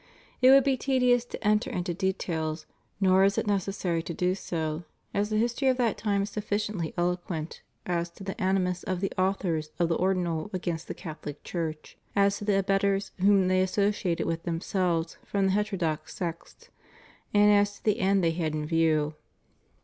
It would be tedious to enter into details, nor is it necessary to do so, as the history of that time is sufficiently eloquent as to the animus of the authors of the Ordinal against the Catholic Church, as to the abettors whom they associated with themselves from the heterodox sects, and as to the end they had in view.